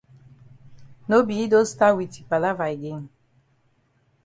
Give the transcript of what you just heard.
No be yi don stat wit yi palava again.